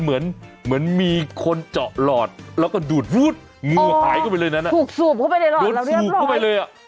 มันเหมือนมีคนเจาะหลอดแล้วก็ดูดพูทมือหายเข้าไปเลยนั้นนะโดดสุบเข้าไปเลย